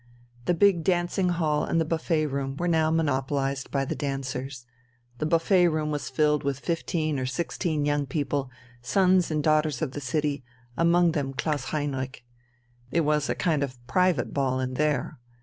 The big dancing hall and the buffet room were by now monopolized by the dancers. The buffet room was filled with fifteen or sixteen young people, sons and daughters of the city, among them Klaus Heinrich. It was a kind of private ball in there.